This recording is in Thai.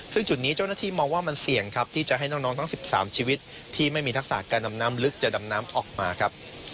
ซึ่งจุดนี้เจ้าหน้าที่มองว่ามันเสี่ยงครับที่จะให้น้องทั้ง๑๓ชีวิตที่ไม่มีทักษะการดำน้ำลึกจะดำน้ำออกมาครับ